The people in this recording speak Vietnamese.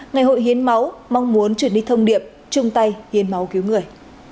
ngày hội hiến máu mong muốn truyền đi thông điệp trung tay hiến máu cứu người